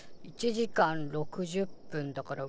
１時間６０分だから。